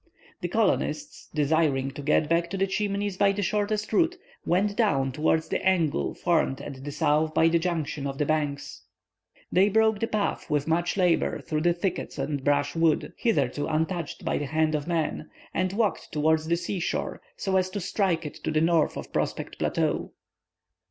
The colonists, desiring to get back to the Chimneys by the shortest route, went down towards the angle formed at the south by the junction of the banks. They broke a path with much labor through the thickets and brush wood, hitherto untouched by the hand of man, and walked towards the seashore, so as to strike it to the north of Prospect Plateau.